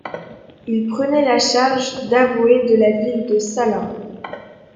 Il prenait la charge d'avoué de la ville de Salins.